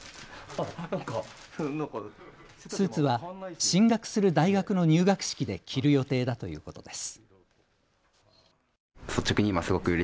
スーツは進学する大学の入学式で着る予定だということです。